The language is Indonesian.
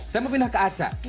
saya mau pindah ke aca